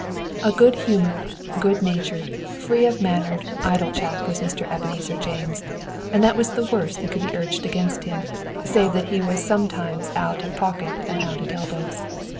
A good humored, good natured, free of mannered, idle chap was Mr. Ebenezer James, and that was the worst that could be urged against him, save that he was sometimes out at pocket and out at elbows.